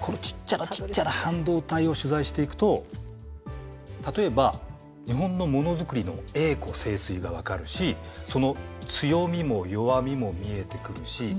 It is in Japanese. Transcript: このちっちゃなちっちゃな半導体を取材していくと例えば日本のものづくりの栄枯盛衰が分かるしその強みも弱みも見えてくるし。